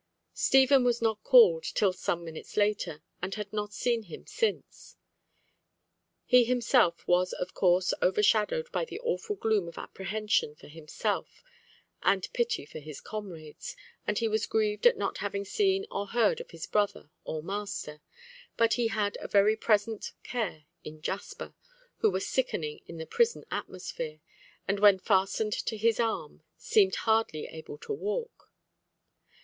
Stephen was not called till some minutes later, and had not seen him since. He himself was of course overshadowed by the awful gloom of apprehension for himself, and pity for his comrades, and he was grieved at not having seen or heard of his brother or master, but he had a very present care in Jasper, who was sickening in the prison atmosphere, and when fastened to his arm, seemed hardly able to walk.